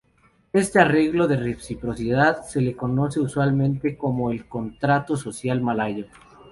Este arreglo de reciprocidad se le conoce usualmente como el Contrato Social Malayo.